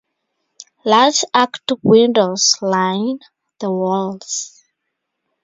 Large arched windows line the walls.